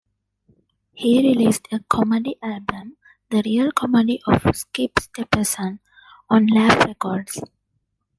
He released a comedy album, "The Real Comedy of Skip Stephenson" on Laff Records.